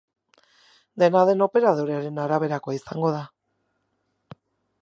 Dena den, operadorearen araberakoa izango da.